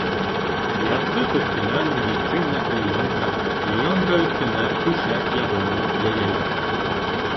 Яҫтыҡ өҫтөнән медицина клеенкаһы, клеенка өҫтөнә түшәк ябыуы йәйәләр.